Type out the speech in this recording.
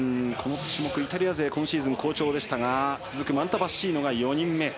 この種目、イタリア勢が今シーズン好調でしたが続くマルタ・バッシーノが４人目。